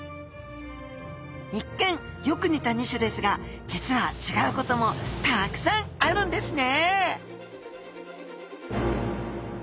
一見よくにた２種ですがじつは違うこともたくさんあるんですね